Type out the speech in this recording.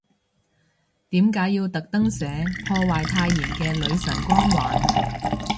點解要特登寫，破壞太妍嘅女神光環